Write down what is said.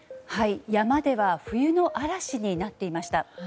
山では冬の嵐になっていました。